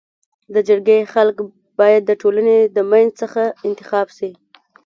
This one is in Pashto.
د جرګي خلک بايد د ټولني د منځ څخه انتخاب سي.